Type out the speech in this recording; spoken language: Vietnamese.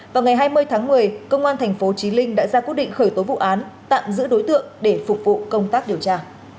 vào ngày hai mươi tháng một mươi công an tp chí linh đã ra quyết định khởi tố vụ án tạm giữ đối tượng để phục vụ công tác điều tra